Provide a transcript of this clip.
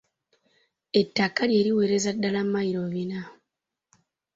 Ettaka lye liwereza ddala mayilo bina.